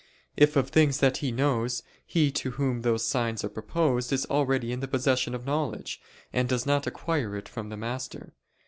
If of things that he knows, he to whom these signs are proposed is already in the possession of knowledge, and does not acquire it from the master.